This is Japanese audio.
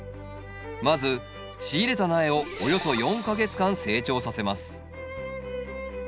まず仕入れた苗をおよそ４か月間成長させます。